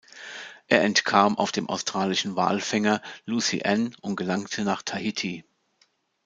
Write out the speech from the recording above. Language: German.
Er entkam auf dem australischen Walfänger "Lucy Ann" und gelangte nach Tahiti.